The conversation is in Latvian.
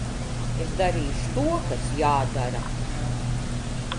Es darīšu to, kas jādara.